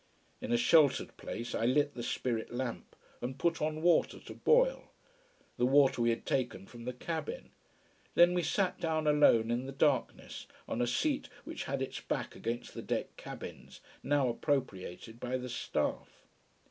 In a sheltered place I lit the spirit lamp, and put on water to boil. The water we had taken from the cabin. Then we sat down alone in the darkness, on a seat which had its back against the deck cabins, now appropriated by the staff.